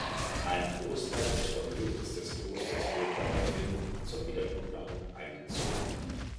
Ein Großteil des Vermögens des Klosters wurde daraufhin zur Wiedergutmachung eingezogen.